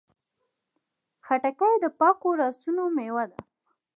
خټکی د پاکو لاسونو میوه ده.